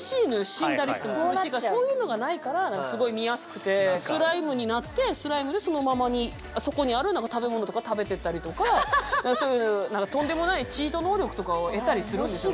死んだりしても苦しいからそういうのがないからすごい見やすくてスライムになってスライムでそのままにそこにある食べ物とか食べてったりとかそういう何かとんでもないチート能力とかを得たりするんですよね。